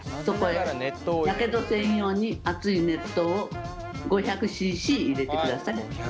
やけどせんように熱い熱湯を５００ｃｃ入れてください。